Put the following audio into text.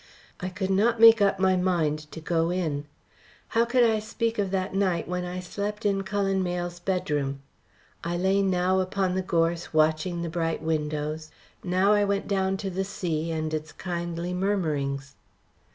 I could not make up my mind to go in. How could I speak of that night when I slept in Cullen Mayle's bedroom? I lay now upon the gorse watching the bright windows. Now I went down to the sea and its kindly murmurings.